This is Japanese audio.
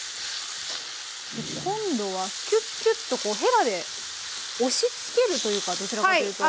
今度はキュッキュッとこうへらで押しつけるというかどちらかというと。